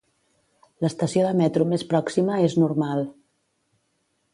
L'estació de metro més pròxima és Normal.